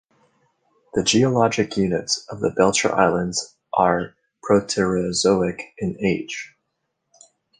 The geologic units of the Belcher Islands are Proterozoic in age.